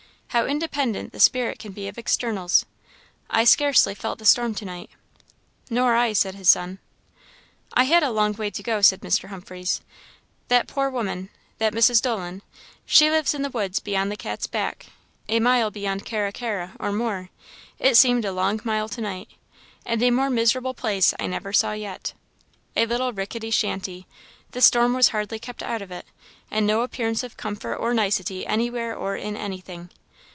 How independent the spirit can be of externals! I scarcely felt the storm to night." "Nor I," said his son. "I had a long way to go," said Mr. Humphreys; "that poor woman that Mrs. Dolan she lives in the woods behind the Cat's Back, a mile beyond Carra carra, or more it seemed a long mile to night; and a more miserable place I never saw yet. A little rickety shanty, the storm was hardly kept out of it, and no appearance of comfort or nicety anywhere or in anything.